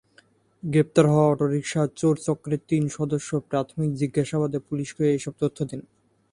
গ্রেপ্তার হওয়া অটোরিকশা চোরচক্রের তিন সদস্য প্রাথমিক জিজ্ঞাসাবাদে পুলিশকে এসব তথ্য দেন।